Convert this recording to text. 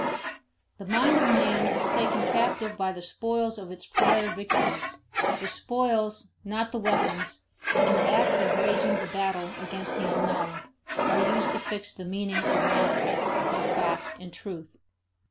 The mind of man is taken captive by the spoils of its prior victories; the spoils, not the weapons and the acts of waging the battle against the unknown, are used to fix the meaning of knowledge, of fact, and truth.